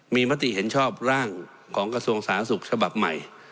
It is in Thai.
มีมติเห็นชอบร่างของกระทรวงสาธารณสุขฉบับใหม่